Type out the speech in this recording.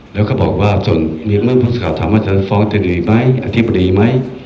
แล้วก็บอกว่าส่วนเมืองพุทธศาสตร์ธรรมดีธรรมดีไหมอธิบายธรรมดีไหม